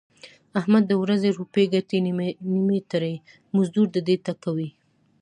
احمد د ورځې روپۍ ګټي نیمې ترې مزدور ډډې ته کوي.